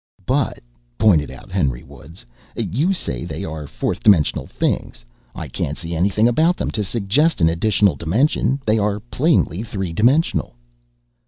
"But," pointed out Henry Woods, "you say they are fourth dimensional things. I can't see anything about them to suggest an additional dimension. They are plainly three dimensional."